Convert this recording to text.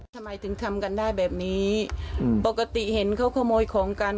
ทำไมถึงทำกันได้แบบนี้ปกติเห็นเขาขโมยของกัน